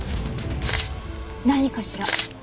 何かしら？